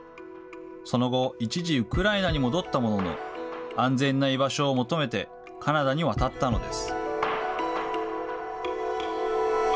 その後、一時ウクライナに戻ったものの、安全な居場所を求めてカナダに渡ったのです。